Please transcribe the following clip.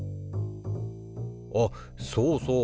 あっそうそう。